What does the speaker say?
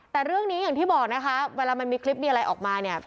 แต่เรื่องนี้อย่างที่บอกนะคะเวลามันมีคลิปมีอะไรออกมาเนี่ย